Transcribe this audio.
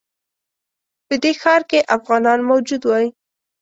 په دې ښار کې افغانان موجود وای.